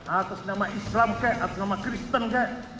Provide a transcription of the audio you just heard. atas nama islam kek atas nama kristen kek